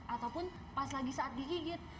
ataupun pas lagi saat digigit